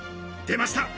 出ました！